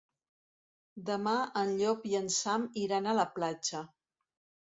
Demà en Llop i en Sam iran a la platja.